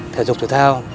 thể dục thể thao